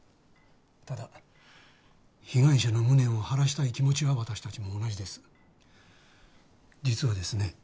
ただ被害者の無念を晴らしたい気持ちは私たちも同じです実はですね